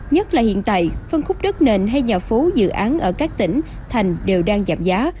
nhất là hiện tại phân khúc đất nền hay nhà phố dự án ở các tỉnh thành đều đang giảm giá